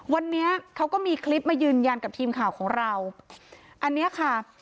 วันนี้เขาก็มีคลิปมายืนยันกับทีมข่าวของเราอันเนี้ยค่ะ